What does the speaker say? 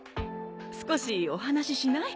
少しお話ししない？